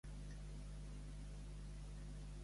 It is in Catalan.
La pena és malaltia de l'ànima i l'alegria és sanitat.